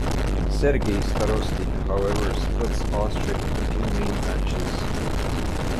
Sergei Starostin, however, splits Austric into two main branches.